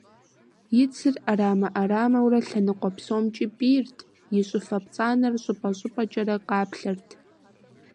И цыр Ӏэрамэ Ӏэрамэурэ лъэныкъуэ псомкӀи пӀийрт, и щӀыфэ пцӀанэр щӀыпӀэ щӀыпӀэкӀэрэ къаплъэрт.